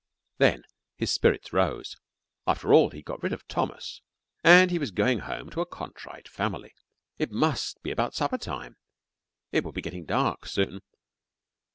Then his spirits rose. After all, he'd got rid of Thomas, and he was going home to a contrite family. It must be about supper time. It would be getting dark soon.